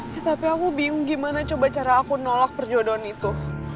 ya tapi aku bingung gimana coba cara aku nolak perjodohan itu